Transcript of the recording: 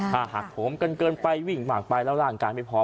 ใช่ถ้าหักผมเกินไปวิ่งมากไปแล้วร่างกายไม่พร้อม